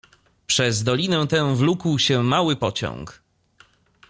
"Przez dolinę tę wlókł się mały pociąg."